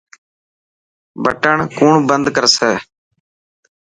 بٽن ڪوڻ بندي ڪرسي.